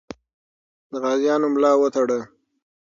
د غازیانو ملا وتړه.